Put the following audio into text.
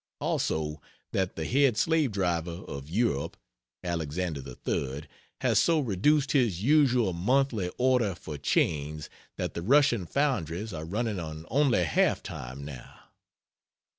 Also, that the head slave driver of Europe, Alexander III, has so reduced his usual monthly order for chains that the Russian foundries are running on only half time now?